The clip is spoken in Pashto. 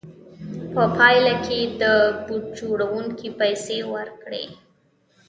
په پایله کې یې د بوټ جوړوونکي پیسې ورکړې